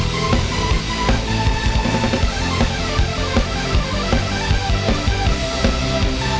โปรดติดตามต่อไป